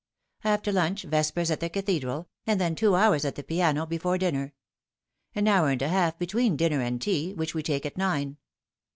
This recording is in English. After lunch vespers at the Cathedral, and then two hours at the piano before dinner. An hour and a half between dinner and tea, which we take at nine.